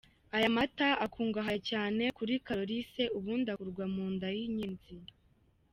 Aya mata akungahaye cyane kuri Calories, ubundi akurwa mu nda y’inyenzi.